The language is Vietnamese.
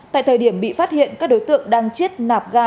tại thời điểm bị phát hiện các đối tượng đang chiết nạp ga